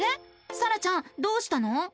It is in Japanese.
さらちゃんどうしたの？